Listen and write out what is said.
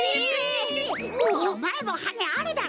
おまえもはねあるだろ！